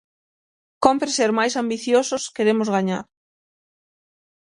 Cómpre ser "máis ambiciosos, queremos gañar".